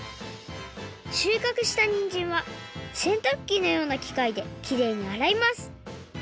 しゅうかくしたにんじんはせんたくきのようなきかいできれいにあらいます。